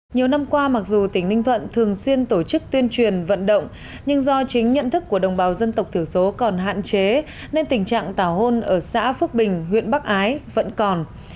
nhiều năm qua mặc dù tỉnh ninh thuận thường xuyên tổ chức tuyên truyền vận động nhưng do chính nhận thức của đồng bào dân tộc thiểu số còn hạn chế nên tình trạng tào hôn ở xã phước bình huyện bắc ái vẫn còn